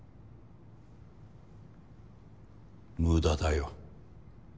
無駄だよ。